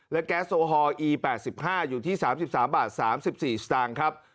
และแก๊สโซฮอล์อีแปดสิบห้าอยู่ที่สามสิบสามบาทสามสิบสี่สตางค์ครับ